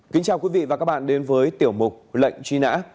kính chào quý vị và các bạn đến với tiểu mục lệnh truy nã